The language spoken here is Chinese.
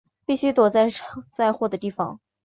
必须躲在载货的地方